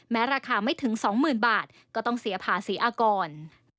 ราคาไม่ถึง๒๐๐๐บาทก็ต้องเสียภาษีอากร